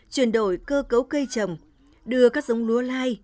chuyển đổi cơ cấu cây trồng đưa các giống lúa lai